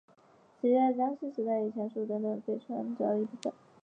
此地在江户时代以前属荏原郡等等力村飞地与奥泽村一部分。